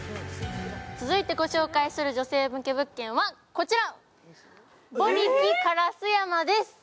続いてご紹介する女性向け物件はこちら。